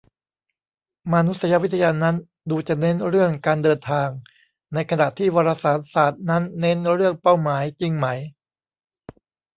"มานุษยวิทยานั้นดูจะเน้นเรื่องการเดินทาง ในขณะที่วารสารศาสตร์นั้นเน้นเรื่องเป้าหมาย" จริงไหม ?